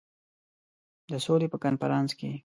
د سولي په کنفرانس کې.